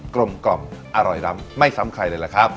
ลมกล่อมอร่อยล้ำไม่ซ้ำใครเลยล่ะครับ